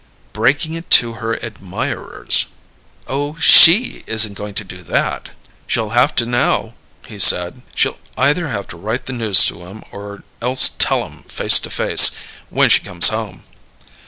"Breaking it to her admirers." "Oh, she isn't going to do that!" "She'll have to, now," he said. "She'll either have to write the news to 'em, or else tell 'em, face to face, when she comes home."